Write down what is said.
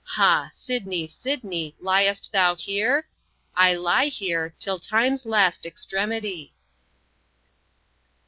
Ha! Sidney, Sidney Liest thou here? I lye here Till Times last Extremity."